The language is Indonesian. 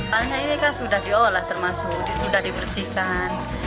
halnya ini kan sudah diolah termasuk sudah dibersihkan